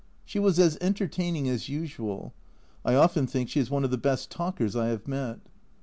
She was as entertaining as usual. I often think she is one of the best talkers I have met.